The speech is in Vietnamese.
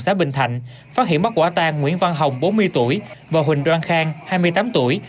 xã bình thạnh phát hiện bắt quả tang nguyễn văn hồng bốn mươi tuổi và huỳnh đoan khang hai mươi tám tuổi